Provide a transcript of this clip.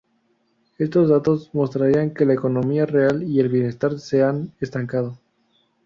Estos datos mostrarían que la economía real y el bienestar se han estancado.